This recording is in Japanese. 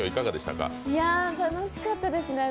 楽しかったですね。